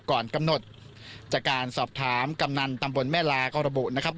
ก่อนกำหนดจากการสอบถามกำนันตำบลแม่ลาก็ระบุนะครับ